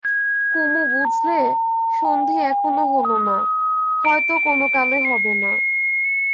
কুমু বুঝলে, সন্ধি এখনো হল না, হয়তো কোনো কালে হবে না।